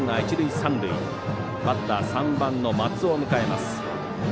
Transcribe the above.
バッター、３番の松尾を迎えます。